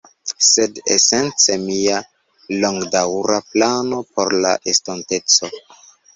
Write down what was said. Sed esence mia longdaŭra plano por la estonteco